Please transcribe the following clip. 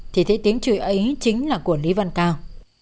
thì thấy tiếng chui ấy chính là của lý văn cao